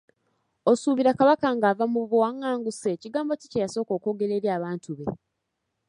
Osuubira Kabaka ng’ava mu buwangaanguse, kigambo ki kye yasooka okwogera eri abantu be?